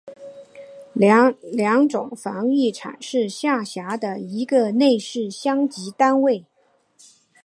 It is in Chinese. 良种繁育场是下辖的一个类似乡级单位。